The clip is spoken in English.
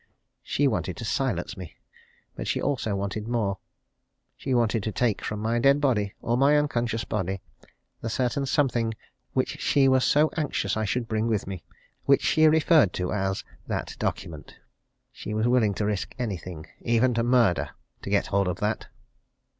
She wanted to silence me but she also wanted more she wanted to take from my dead body, or my unconscious body, the certain something which she was so anxious I should bring with me, which she referred to as that document. She was willing to risk anything even to murder! to get hold of that.